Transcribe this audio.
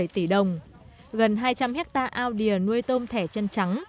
bốn mươi bảy tỷ đồng gần hai trăm linh hectare ao đìa nuôi tôm thẻ chân trắng